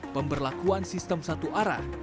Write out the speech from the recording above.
pemberlakuan sistem satu arah